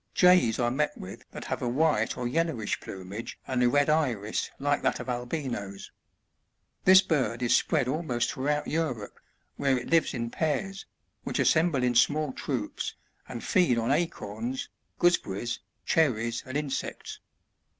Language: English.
Jays are met with that have a white or yellowish plumage and a red iris like that of albinos. This bird is spread almost throughout Europe, where it lives in pairs, which assemble in small troops, and feed on acorns, gooseberries, cherries and insects.